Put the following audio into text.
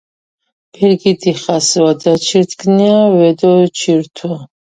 ბერგი დიხას ვადაჩირთჷნია ვეჲოჩირთუ